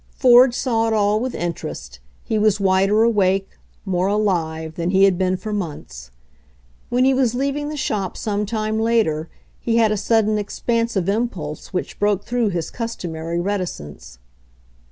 Ford saw it all with interest, he was wider awake, more alive than he had been for months. When he was leaving the shop some time later he had a sudden expansive impulse which broke through his customary reticence.